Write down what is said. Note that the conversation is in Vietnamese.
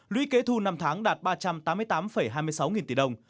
lũy kế thu năm tháng đạt ba trăm tám mươi tám hai mươi sáu nghìn tỷ đồng